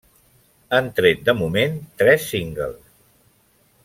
Han tret de moment tres singles.